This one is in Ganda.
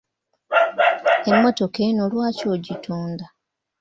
Emmotoka eno lwaki ogitunda?